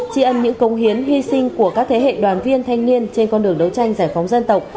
tri ân những công hiến hy sinh của các thế hệ đoàn viên thanh niên trên con đường đấu tranh giải phóng dân tộc